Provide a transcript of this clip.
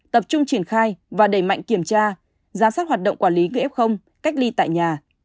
tập trung triển khai và đẩy mạnh kiểm tra giám sát hoạt động quản lý người f cách ly tại nhà